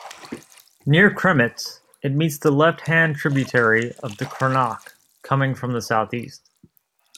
Near Kremitz it meets the left-hand tributary of the "Kronach" coming from the southeast.